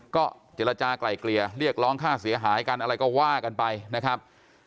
ก็เจรจากลายเกลี่ยเรียกร้องค่าเสียหายกันอะไรก็ว่ากันไปนะครับ